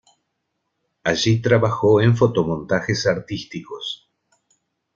Allí trabajó en fotomontajes artísticos.